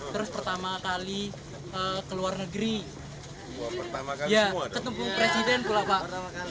terus pertama kali ke luar negeri ketemu presiden pula pak